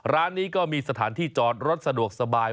ร้านนี้ก็มีสถานที่จอดรถสะดวกสบาย